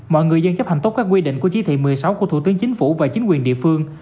mọi người dân chấp hành tốt các quy định của chí thị một mươi sáu của thủ tướng chính phủ và chính quyền địa phương